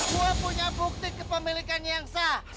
saya punya bukti kepemilikannya yang sah